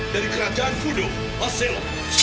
dari kerajaan fudok asel